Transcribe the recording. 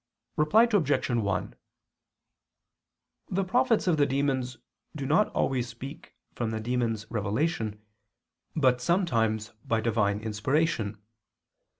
Reply Obj. 1: The prophets of the demons do not always speak from the demons' revelation, but sometimes by Divine inspiration.